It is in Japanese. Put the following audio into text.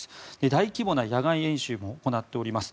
大規模な野外演習も行っております。